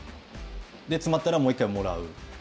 詰まったらもう１回もらう。